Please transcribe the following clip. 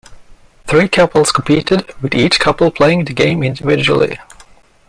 Three couples competed, with each couple playing the game individually.